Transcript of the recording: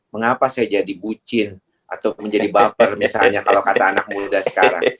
mengapa saya jadi bucin atau menjadi baper misalnya kalau kata anak muda sekarang